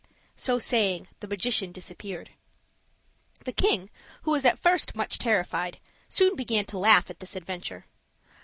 So saying the magician disappeared. The king, who was at first much terrified, soon began to laugh at this adventure.